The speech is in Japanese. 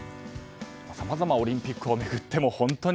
さまざまオリンピックを巡っても本当に。